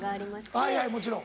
はいはいもちろん。